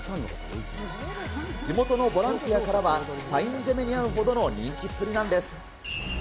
地元のボランティアからはサイン攻めにあうほどの人気っぷりなんです。